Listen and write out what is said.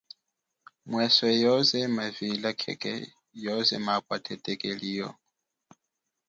Mweswe yoze mevila khekhe yoze mapwa thethekeli yo.